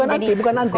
bukan anti bukan anti